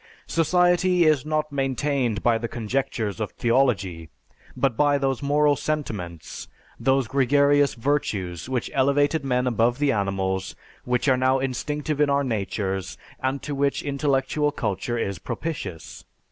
Society is not maintained by the conjectures of theology, but by those moral sentiments, those gregarious virtues which elevated men above the animals, which are now instinctive in our natures and to which intellectual culture is propitious.